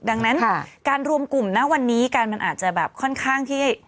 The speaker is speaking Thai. ดังนั้นการรวมกลุ่มนะวันนี้กันมันอาจจะแบบค่อนข้างที่